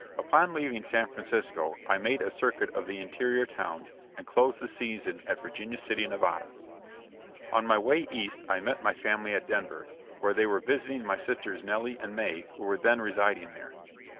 Upon leaving San Francisco I made a circuit of the interior towns and closed the season at Virginia City, Nevada. On my way East, I met my family at Denver, where they were visiting my sisters Nellie and May who were then residing there.